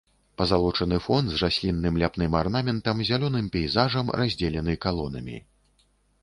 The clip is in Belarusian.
Пазалочаны фон з раслінным ляпным арнаментам, зялёным пейзажам раздзелены калонамі.